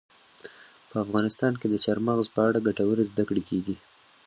په افغانستان کې د چار مغز په اړه ګټورې زده کړې کېږي.